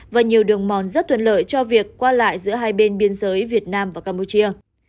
và nhiều đường mòn rất thuận lợi cho việc qua lại giữa hai bên biên giới việt nam và campuchia